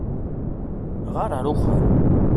Ɣeṛ ar uxxam!